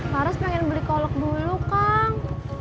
laras pengen beli kolek dulu kang